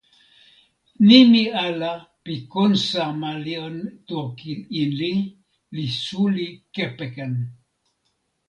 nimi ala pi kon sama lon toki Inli li suli kepeken.